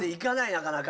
なかなか。